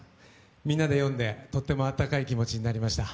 みんなで読んでとっても温かい気持ちになりました。